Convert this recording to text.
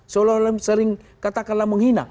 seolah olah sering katakanlah menghina